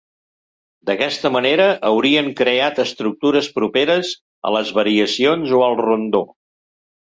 D'aquesta manera haurien creat estructures properes a les variacions o al rondó.